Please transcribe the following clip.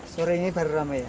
sore ini baru ramai ya